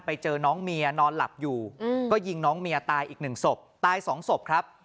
ไปเจอน้องเมียนอนหลับอยู่ก็ยิงน้องเมียตายอีกหนึ่งศพตายสองศพครับ